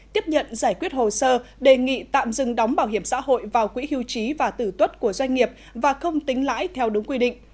tiếp nhận giải quyết hồ sơ đề nghị tạm dừng đóng bảo hiểm xã hội vào quỹ hưu trí và tử tuất của doanh nghiệp và không tính lãi theo đúng quy định